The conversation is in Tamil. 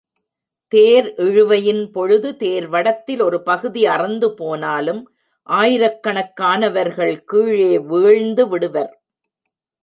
தேர் இழுவையின் பொழுது தேர்வடத்தில் ஒரு பகுதி அறுந்துபோனாலும் ஆயிரக் கணக்கானவர்கள் கீழே வீழ்ந்துவிடுவர்.